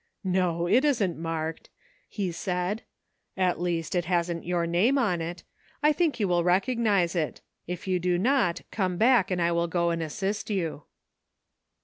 " No, it isn't marked," he said ; "at least it hasn't your name on it. I think you will recog nize it. If you do not, come back and I will go and assist you."